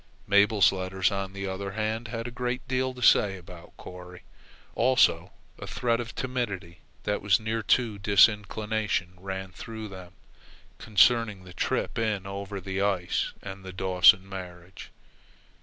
Mabel's letters, on the other hand, had a great deal to say about Corry. Also, a thread of timidity that was near to disinclination ran through them concerning the trip in over the ice and the Dawson marriage.